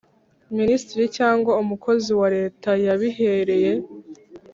Minisitiri cyangwa umukozi wa Leta yabihereye